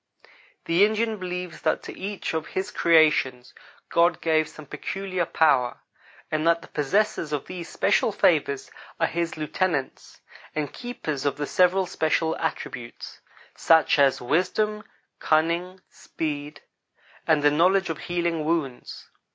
The Indian believes that to each of His creations God gave some peculiar power, and that the possessors of these special favors are His lieutenants and keepers of the several special attributes; such as wisdom, cunning, speed, and the knowledge of healing wounds.